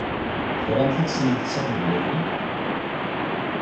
Tramt ad tessnemt Si Ḥmed Waɛli?